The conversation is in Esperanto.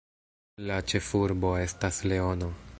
La ĉefurbo estas Leono.